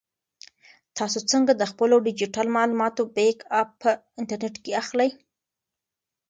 تاسو څنګه د خپلو ډیجیټل معلوماتو بیک اپ په انټرنیټ کې اخلئ؟